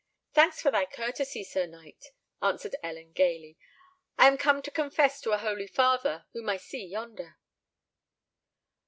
"Thanks for thy courtesy, Sir Knight," answered Ellen, gaily: "I am come to confess to a holy father whom I see yonder."